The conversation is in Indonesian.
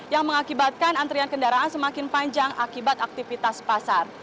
yang mengakibatkan antrian kendaraan semakin panjang akibat aktivitas pasar